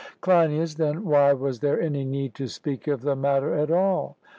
CLEINIAS: Then why was there any need to speak of the matter at all?